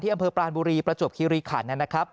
อำเภอปรานบุรีประจวบคิริขันนะครับ